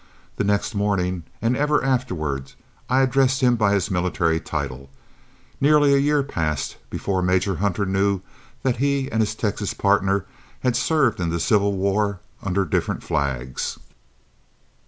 The next morning, and ever afterward, I addressed him by his military title. Nearly a year passed before Major Hunter knew that he and his Texas partner had served in the civil war under different flags.